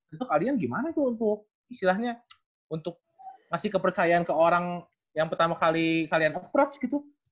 itu kalian gimana tuh untuk istilahnya untuk ngasih kepercayaan ke orang yang pertama kali kalian approach gitu